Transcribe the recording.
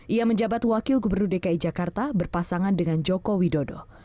ia menjabat wakil gubernur dki jakarta berpasangan dengan joko widodo